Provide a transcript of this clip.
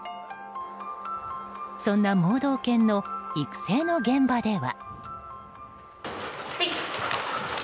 そんな盲導犬の育成の現場では。